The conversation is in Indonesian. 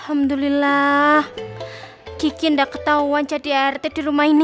alhamdulillah kiki ndak ketahuan jadi rt di rumah ini